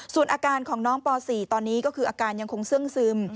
ส่วนอาการของน้องป๔ตอนนี้ก็คืออาการยังคงเสื่องซึม